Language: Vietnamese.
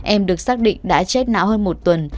em được xác định đã chết não hơn một tuần